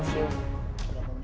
sudah satu menit